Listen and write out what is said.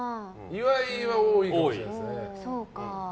岩井は多いかもしれないですね。